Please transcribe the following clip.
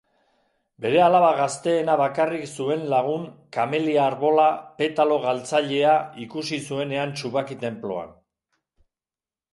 Bere alaba gazteena bakarrik zuen lagun kamelia-arbola petalo-galtzailea ikusi zuenean Tsubaki tenpluan.